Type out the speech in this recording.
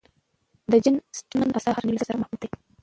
د جین اسټن آثار د هر نوي نسل سره محبوب دي.